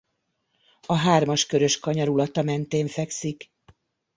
A Hármas-Körös kanyarulata mentén fekszik.